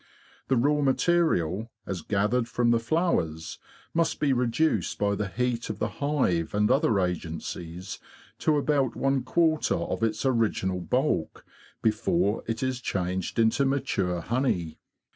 The raw material, as gathered from the flowers, must be reduced by the heat of the hive and other agencies to about one quarter of its original bulk before it is changed into mature honey.